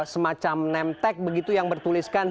semacam nemtek begitu yang bertuliskan